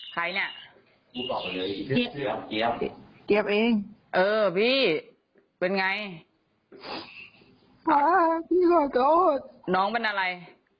ใครเป็นอะไร